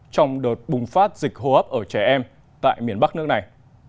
trong đợt bùng phát dịch hô hấp ở trẻ em tại miền bắc nước này